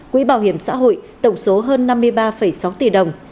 quỹ bảo hiểm xã hội tổng số hơn năm mươi ba sáu tỷ đồng